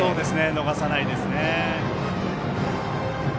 逃さないですね。